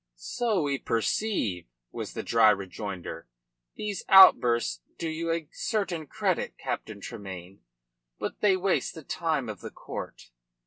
"So we perceive," was the dry rejoinder. "These outbursts do you a certain credit, Captain Tremayne. But they waste the time of the court."